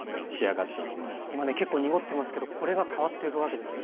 今ね結構濁ってますけどこれが変わっていくわけですね。